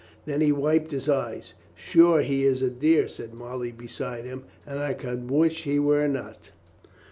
Then he wiped his eyes. "Sure, he is a dear," said Molly beside him, "and I could wish he were not."